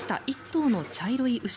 １頭の茶色い牛。